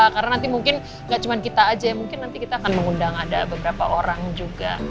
karena nanti mungkin gak cuman kita aja ya mungkin nanti kita akan mengundang ada beberapa orang juga